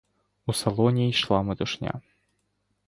У салоні йшла метушня.